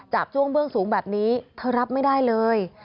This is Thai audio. ช่วงเบื้องสูงแบบนี้เธอรับไม่ได้เลย